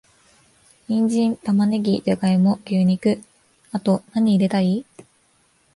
ニンジン、玉ネギ、ジャガイモ、牛肉……あと、なに入れたい？